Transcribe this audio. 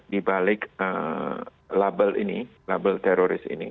dibalik label ini label teroris ini